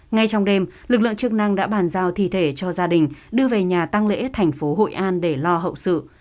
ngay trong đêm lực lượng chức năng đã bàn giao thi thể cho gia đình đưa về nhà tăng lễ thành phố hội an để lo hậu sự